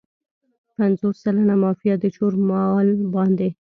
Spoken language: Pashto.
پنځوس سلنه مافیا د چور مال باندې.